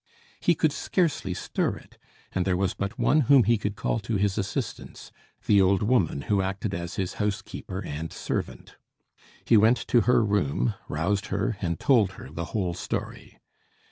He could scarcely stir it, and there was but one whom he could call to his assistance the old woman who acted as his housekeeper and servant. He went to her room, roused her, and told her the whole story.